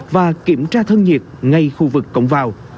và kiểm tra thân nhiệt ngay khu vực cổng vào